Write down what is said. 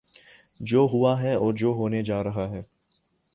جو ہوا ہے اور جو ہونے جا رہا ہے۔